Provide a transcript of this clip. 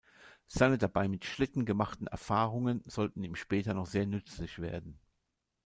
Seine dabei mit Schlitten gemachten Erfahrungen sollten ihm später noch sehr nützlich werden.